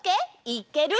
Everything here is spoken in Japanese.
いける？